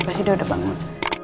pasti udah banget